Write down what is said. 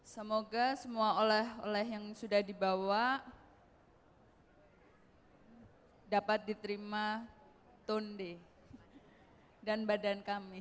semoga semua oleh oleh yang sudah dibawa dapat diterima tunde dan badan kami